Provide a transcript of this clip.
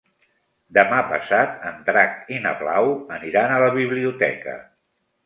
Demà passat en Drac i na Blau aniran a la biblioteca.